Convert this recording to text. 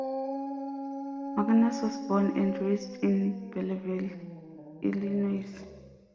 Magnus was born and raised in Belleville, Illinois.